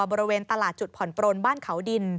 บริเวณตลาดจุดผ่อนปลนบ้านเขาดิน